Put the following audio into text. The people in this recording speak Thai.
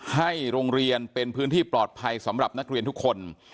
ให้โรงเรียนเป็นพื้นที่ปลอดภัยสำหรับนักเรียนทุกคน